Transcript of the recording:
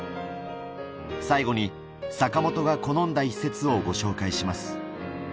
最後に坂本が好んだ一節をご紹介します。